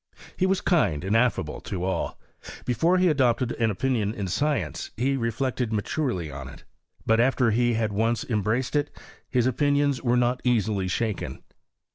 He was kind and affable to all. Before he adopted va opinion in science, he reflected maturely on it; but, after he had once embraced it, his opinions wera not easily ahaken.